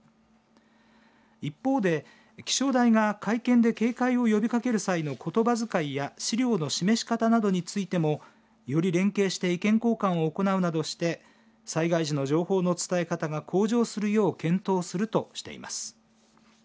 一方で、気象台が会見で警戒を呼びかける際のことばづかいや資料の示し方などについてもより連携して意見交換を行うなどして災害時の情報の伝え方が向上するよう検討するとしています。